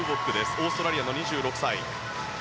オーストラリアの２６歳。